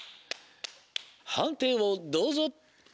はんていをどうぞ！